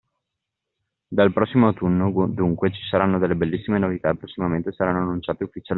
Dal prossimo autunno dunque, ci saranno delle bellissime novità e prossimamente saranno annunciate ufficialmente.